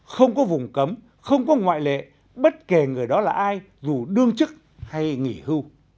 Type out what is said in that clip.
không có vùng cấm không có ngoại lệ bất kể người đó là ai dù đương chức hay nghỉ hưu